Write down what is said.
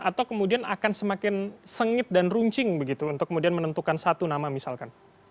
atau kemudian akan semakin sengit dan runcing begitu untuk kemudian menentukan satu nama misalkan